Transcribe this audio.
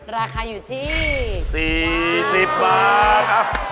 ราคาอยู่ที่๔๐บาท